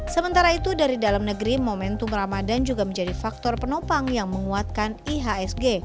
sementara itu dari dalam negeri momentum ramadan juga menjadi faktor penopang yang menguatkan ihsg